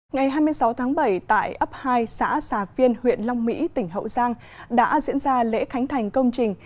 ngày hai mươi sáu tháng bảy tại ấp hai xã xà viên huyện long mỹ tỉnh hậu giang đã diễn ra lễ khánh thành công trình